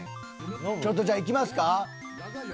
ちょっとじゃあいきますか。